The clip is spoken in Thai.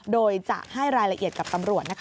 โดยจะให้รายละเอียดกับตำรวจนะคะ